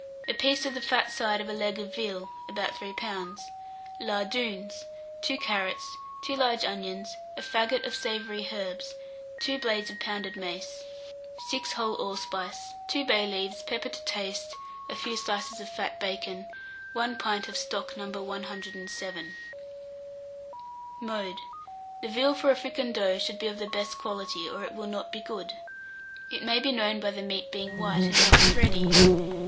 A piece of the fat side of a leg of veal (about 3 lbs.), lardoons, 2 carrots, 2 large onions, a faggot of savoury herbs, 2 blades of pounded mace, 6 whole allspice, 2 bay leaves, pepper to taste, a few slices of fat bacon, 1 pint of stock No. 107. [Illustration: FRICANDEAU OF VEAL.] Mode. The veal for a fricandeau should be of the best quality, or it will not be good. It may be known by the meat being white and not thready.